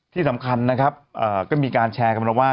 ที่สำคัญนะครับก็มีการแชร์กันมาว่า